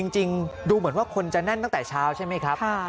จริงดูเหมือนว่าคนจะแน่นตั้งแต่เช้าใช่ไหมครับ